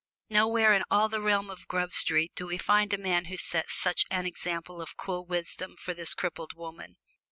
Nowhere in all the realm of Grub Street do we find a man who set such an example of cool wisdom for this crippled woman.